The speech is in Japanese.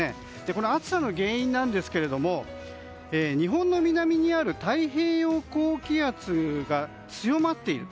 この暑さの原因ですが日本の南にある太平洋高気圧が強まっている。